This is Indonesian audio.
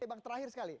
oke bang terakhir sekali